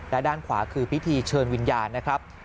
และด้านขวาคือพิธีเชิญวิญญาณนะครับ